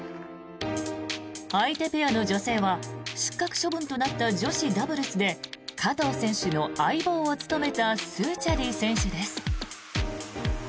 相手ペアの女性は失格処分となった女子ダブルスで加藤選手の相棒を務めたスーチャディ選手です。